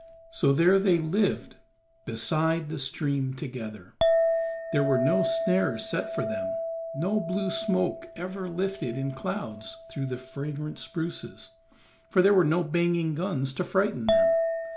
So there they lived beside the stream together; there were no snares set for them, no blue smoke ever lifted in clouds through the fragrant spruces, for there were no banging guns to frighten them.